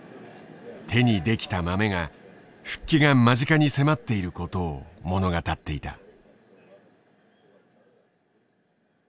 手にできたマメが復帰が間近に迫っていることを物語っていた。